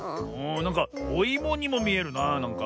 なんかおいもにもみえるななんか。